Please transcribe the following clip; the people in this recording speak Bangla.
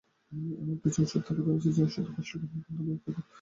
এমন কিছু অসুখ তাঁকে ধরেছে, যা শুধু কষ্টকর নয়, অত্যন্ত বিরক্তিকর।